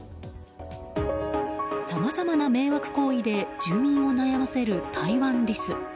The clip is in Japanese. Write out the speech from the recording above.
さまざまな迷惑行為で住民を悩ませるタイワンリス。